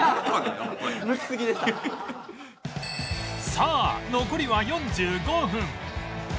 さあ残りは４５分